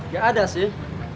gak ada sih